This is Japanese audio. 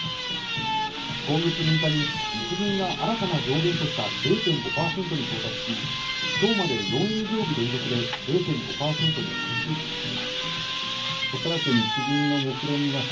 今月６日に日銀が新たな上限とした０．５％に到達し今日まで４営業日連続で０．５％に張り付いています